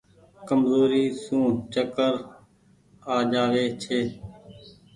ڪمزوري سون چڪر آ جآوي ڇي۔